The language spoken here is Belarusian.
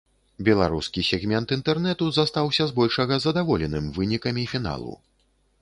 Беларускі сегмент інтэрнэту застаўся збольшага задаволеным вынікамі фіналу.